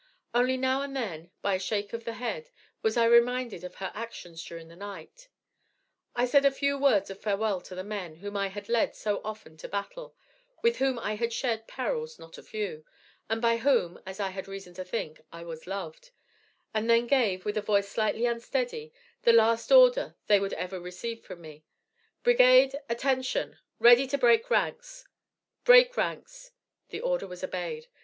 Only now and then, by a shake of the head, was I reminded of her actions during the night. I said a few words of farewell to the men whom I had led so often to battle, with whom I had shared perils not a few, and by whom, as I had reason to think, I was loved, and then gave, with a voice slightly unsteady, the last order they would ever receive from me: 'Brigade, Attention, Ready to break ranks, Break Ranks.' The order was obeyed.